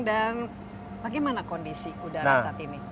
dan bagaimana kondisi udara saat ini